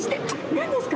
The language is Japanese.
何ですか？